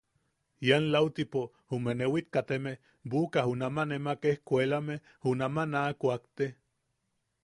Ian lautipo jume newit kateme buʼuka junama nemak ejkuelakame junama naj kuakte.